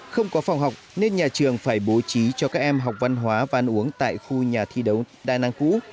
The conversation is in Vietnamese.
không có phòng học nên nhà trường phải bố trí cho các em học văn hóa và ăn uống tại khu nhà thi đấu đa năng cũ